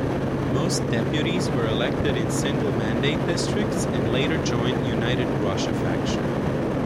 Most deputies were elected in single mandate districts and later joined United Russia faction.